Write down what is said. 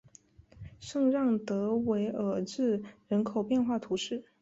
圣让德韦尔日人口变化图示